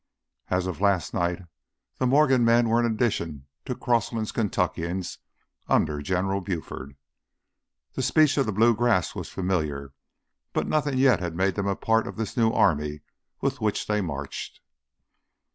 As of last night, the Morgan men were an addition to Crossland's Kentuckians under General Buford. The speech of the blue grass was familiar, but nothing yet had made them a part of this new army with which they marched.